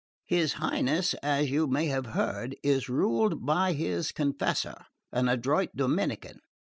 His Highness, as you may have heard, is ruled by his confessor, an adroit Dominican.